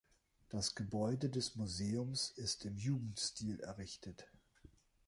Das Gebäude des Museums ist im Jugendstil errichtet.